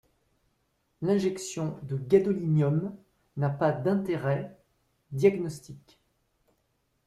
L'injection de gadolinium n'a pas d'interêt diagnostique.